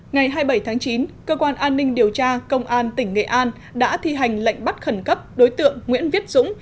ngày hai mươi bảy tháng chín cơ quan an ninh điều tra công an tỉnh nghệ an đã thi hành lệnh bắt khẩn cấp đối tượng nguyễn viết dũng